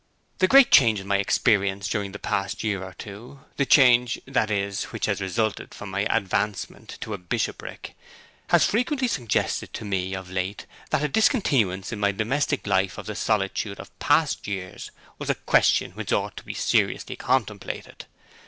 'The great change in my experience during the past year or two the change, that is, which has resulted from my advancement to a bishopric has frequently suggested to me, of late, that a discontinuance in my domestic life of the solitude of past years was a question which ought to be seriously contemplated.